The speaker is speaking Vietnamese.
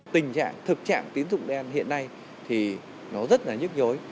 tình trạng thực trạng tín dụng đen hiện nay thì nó rất là nhức nhối